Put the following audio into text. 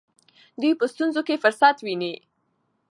دوی په ستونزو کې فرصت ویني.